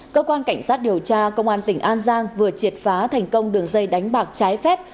cơ quan cảnh sát điều tra công an tp hcm vừa triệt phá thành công đường dây đánh bạc trái phép